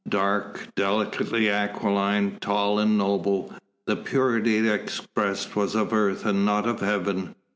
Dark, delicately aquiline, tall and noble, the purity it expressed was of earth and not of heaven.